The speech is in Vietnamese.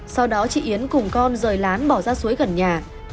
sau đó chị yến cùng con rời lán bỏ ra suối gần nhà